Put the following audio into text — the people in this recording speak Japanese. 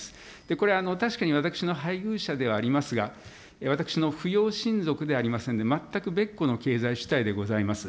これは、確かに私の配偶者ではありますが、私の扶養親族でありませんで、まったく別個の経済主体でございます。